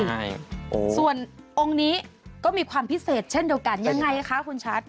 ใช่ส่วนองค์นี้ก็มีความพิเศษเช่นเดียวกันยังไงคะคุณชัด